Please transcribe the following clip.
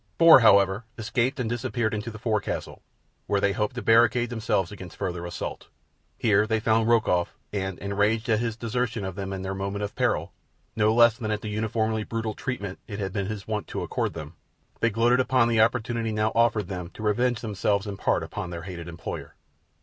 Four, however, escaped and disappeared into the forecastle, where they hoped to barricade themselves against further assault. Here they found Rokoff, and, enraged at his desertion of them in their moment of peril, no less than at the uniformly brutal treatment it had been his wont to accord them, they gloated upon the opportunity now offered them to revenge themselves in part upon their hated employer.